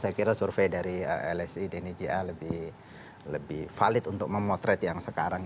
saya kira survei dari lsi dan ija lebih valid untuk memotret yang sekarang